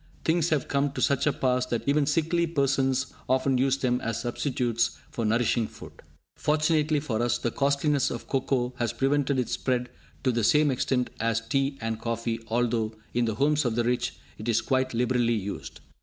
Things have come to such a pass that even sickly persons often use them as substitutes for nourishing food! Fortunately for us, the costliness of cocoa has prevented its spread to the same extent as tea and coffee, although, in the homes of the rich, it is quite liberally used.